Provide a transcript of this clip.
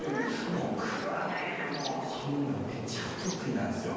僕はね、もう、そんなめっちゃ不得意なんですよ。